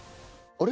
あれ？